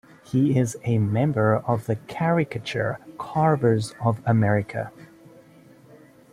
He is a member of Caricature Carvers of America.